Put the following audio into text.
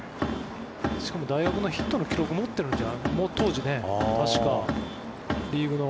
しかも大学のヒットの記録を持ってるんじゃ当時ね、確か、リーグの。